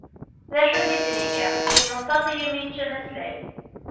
D acu di d-nini? Yemmenṭaṭ yimi yeččan aslay.